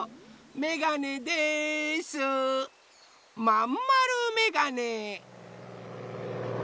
まんまるめがね！